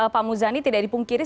pak muzani tidak dipungkiri